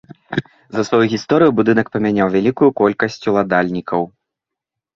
За сваю гісторыю будынак памяняў вялікую колькасць уладальнікаў.